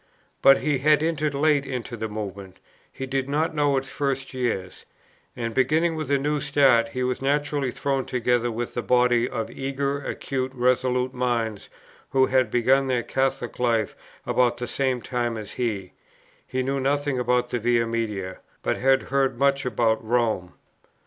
But he had entered late into the Movement; he did not know its first years; and, beginning with a new start, he was naturally thrown together with that body of eager, acute, resolute minds who had begun their Catholic life about the same time as he, who knew nothing about the Via Media, but had heard much about Rome.